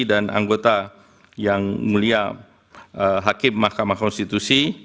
dan anggota yang mulia hakim mahkamah konstitusi